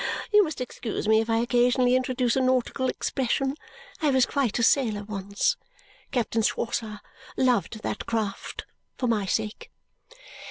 You must excuse me if I occasionally introduce a nautical expression; I was quite a sailor once. Captain Swosser loved that craft for my sake.